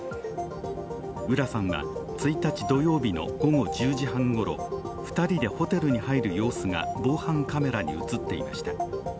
浦さんは１日土曜日の午後１０時半ごろ、２人でホテルに入る様子が防犯カメラに映っていました。